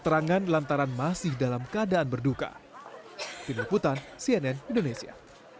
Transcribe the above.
penerangan lantaran masih dalam keadaan berduka